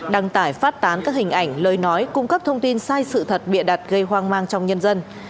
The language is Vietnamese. đăng tải phát tán các hình ảnh lời nói cung cấp thông tin sai sự thật bịa đặt gây hoang mang trong nhân dân